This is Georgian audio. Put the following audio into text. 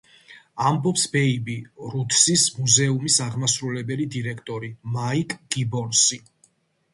ამბობს ბეიბი რუთსის მუზეუმის აღმასრულებელი დირექტორი – მაიკ გიბონსი.